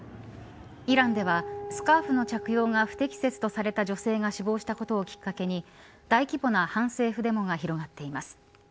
イランでは、スカーフの着用が不適切とされた女性が死亡したことをきっかけに大規模な反政府デモが広がっています。